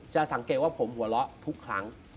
สังเกตว่าผมหัวเราะทุกครั้ง